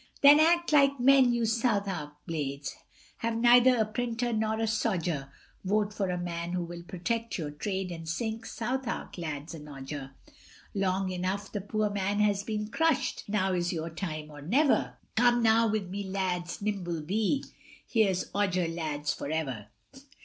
Then act like men you Southwark blades, Have neither a printer nor a "sodger, Vote for a man who will protect your trade, And sing, Southwark, lads, and Odger. Long enough the poor man has been crushed, Now is your time or never, Come, now with me lads, nimble be, Here's Odger, lads, for ever.